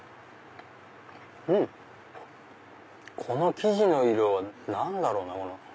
この生地の色は何だろうな？